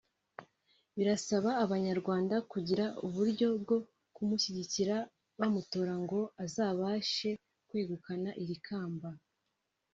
birasaba Abanyarwanda kugira uburyo bwo kumushyigikira bamutora ngo azabashe kwegukana iri kamba